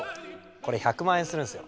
これ１００万円するんですよ。